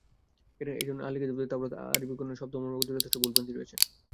এজন্যই আহলে কিতাবদের তাওরাত আরবীকরণে শব্দ ও মর্মগত যথেষ্ট ভুল-ভ্রান্তি হয়েছে।